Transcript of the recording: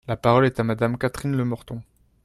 La parole est à Madame Catherine Lemorton.